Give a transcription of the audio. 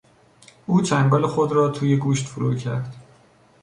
او چنگال خود را توی گوشت فرو کرد.